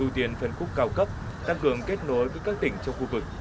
ưu tiên phân khúc cao cấp tăng cường kết nối với các tỉnh trong khu vực